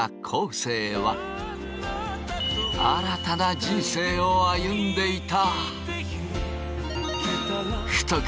生は新たな人生を歩んでいた。